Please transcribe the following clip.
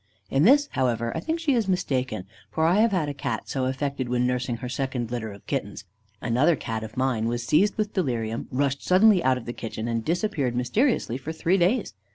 In this, however, I think she is mistaken, for I have had a Cat so affected when nursing her second litter of Kittens. Another Cat of mine was seized with delirium, rushed suddenly out of the kitchen, and disappeared mysteriously for three days.